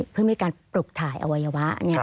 เพื่อมีการปลุกถ่ายอวัยวะ